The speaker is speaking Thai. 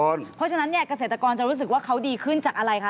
เพราะฉะนั้นเนี่ยเกษตรกรจะรู้สึกว่าเขาดีขึ้นจากอะไรคะ